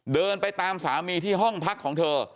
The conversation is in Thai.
เดินไปตามสามีที่ห้องพักของเธอ